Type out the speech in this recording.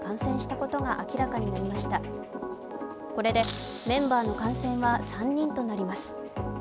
これでメンバーの感染が３人となります。